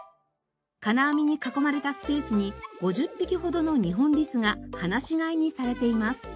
金網に囲まれたスペースに５０匹ほどのニホンリスが放し飼いにされています。